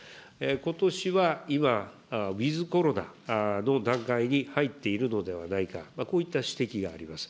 ことしは今、ウィズコロナの段階に入っているのではないか、こういった指摘があります。